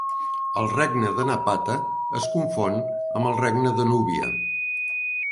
El regne de Napata es confon amb el regne de Núbia.